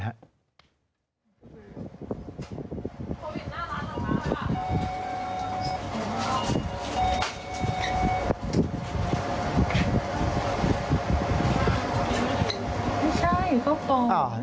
ไม่ใช่ก็ปล่อย